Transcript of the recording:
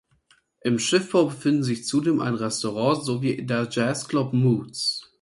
Im Schiffbau befinden sich zudem ein Restaurant sowie der Jazzclub «Moods».